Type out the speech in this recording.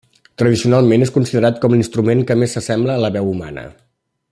Tradicionalment és considerat com l'instrument que més s'assembla a la veu humana.